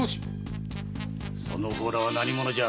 その方らは何者じゃ？